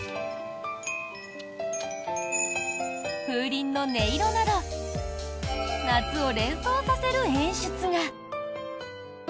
風鈴の音色など夏を連想させる演出が。